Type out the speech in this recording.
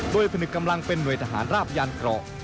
โดยผนึกกำลังเป็นหน่วยทหารราบยานเกราะ